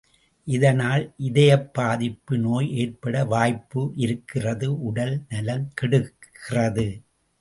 இதனால் இதயப் பாதிப்பு நோய் ஏற்பட வாய்ப்பு இருக்கிறது உடல் நலம்கெடுகிறது.